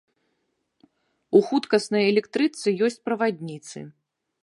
У хуткаснай электрычцы ёсць правадніцы.